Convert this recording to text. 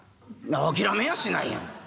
「諦めやしないよ。